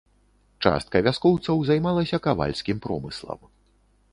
Частка вяскоўцаў займалася кавальскім промыслам.